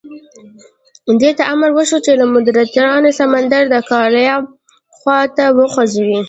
دې ته امر وشو چې له مدیترانې سمندره د کارائیب خوا ته وخوځېږي.